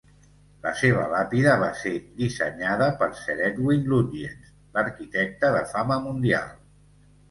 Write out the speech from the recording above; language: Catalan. La seva làpida va ser dissenyada per Sir Edwin Lutyens, l'arquitecte de fama mundial.